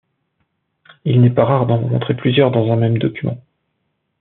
Il n'est pas rare d'en rencontrer plusieurs dans un même document.